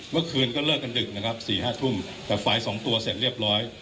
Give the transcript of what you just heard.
เมื่อคืนก็เลิกกันดึกนะครับ๔๕ทุ่มแต่ฝ่าย๒ตัวเสร็จเรียบร้อย